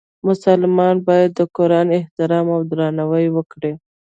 مسلمان باید د قرآن احترام او درناوی وکړي.